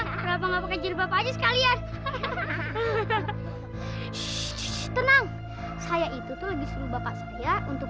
kenapa nggak kecil bapak aja sekalian hahaha tenang saya itu tuh lagi suruh bapak saya untuk